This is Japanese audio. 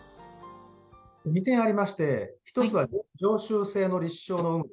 ２点ありまして、１つは常習性の立証の有無。